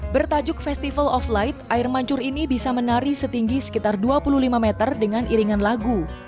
bertajuk festival of light air mancur ini bisa menari setinggi sekitar dua puluh lima meter dengan iringan lagu